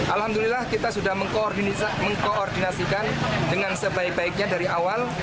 alhamdulillah kita sudah mengkoordinasikan dengan sebaik baiknya dari awal